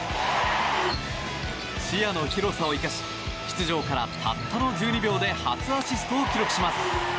視野の広さを生かし出場からたったの１２秒で初アシストを記録します。